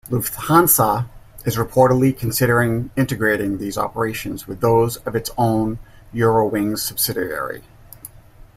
Lufthansa is reportedly considering integrating these operations with those of its own Eurowings subsidiary.